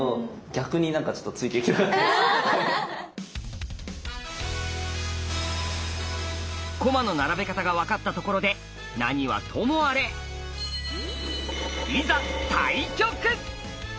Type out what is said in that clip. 逆になんかちょっと駒の並べ方が分かったところで何はともあれいざ対局！